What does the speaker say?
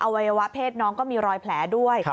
วัยวะเพศน้องก็มีรอยแผลด้วย